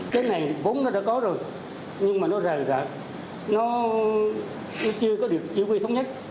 cái này vốn nó đã có rồi nhưng mà nó ràng ràng nó chưa có được chỉ huy thống nhất